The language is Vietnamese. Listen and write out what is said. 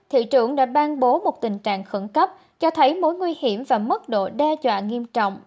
thị trưởng đã ban bố một tình trạng khẩn cấp cho thấy mối nguy hiểm và mức độ đe dọa nghiêm trọng